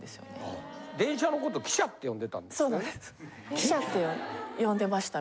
汽車って呼んでました。